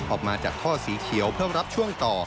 ออกมาจากท่อสีเขียวเพื่อรับช่วงต่อ